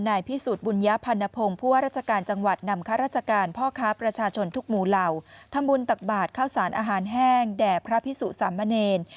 พิสุทธิ์บุญญพันธพงศ์ผู้ว่าราชการจังหวัดนำข้าราชการพ่อค้าประชาชนทุกหมู่เหล่าทำบุญตักบาทข้าวสารอาหารแห้งแด่พระพิสุสามเณร